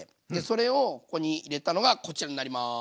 それをここに入れたのがこちらになります。